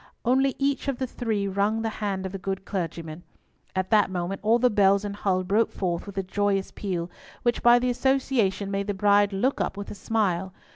Only each of the three wrung the hand of the good clergyman. At that moment all the bells in Hull broke forth with a joyous peal, which by the association made the bride look up with a smile.